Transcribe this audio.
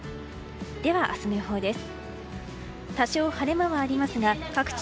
では明日の予報です。